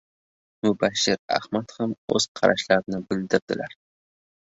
Mubashshir Ahmad ham o‘z qarashlarini bildirdilar.